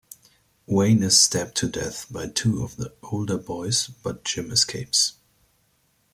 Wayne is stabbed to death by two of the older boys, but Jim escapes.